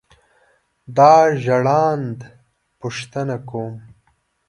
دا ژړاند پوښتنه کوم.